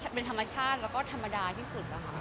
เป็นธรรมชาติแล้วก็ธรรมดาที่สุดนะคะ